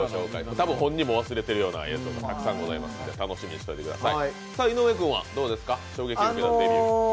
多分、本人も忘れているような映像がたくさんありますので楽しみにしててください。